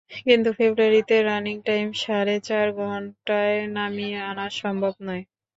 কিন্তু ফেব্রুয়ারিতে running time সাড়ে চার ঘণ্টায় নামিয়ে আনা সম্ভব নয়।